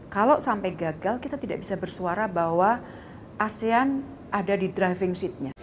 kalau sampai gagal kita tidak bisa bersuara bahwa asean ada di driving seatnya